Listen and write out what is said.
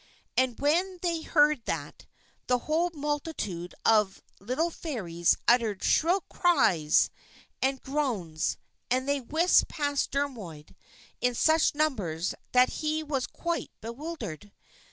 And when they heard that, the whole multitude of little Fairies uttered shrill cries and groans; and they whisked past Dermod in such numbers that he was quite bewildered.